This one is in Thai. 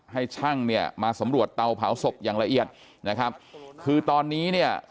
ให้ช่างเนี่ยมาสำรวจเตาเผาศพอย่างละเอียดนะครับคือตอนนี้เนี่ย